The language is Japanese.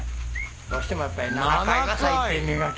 どうしてもやっぱり。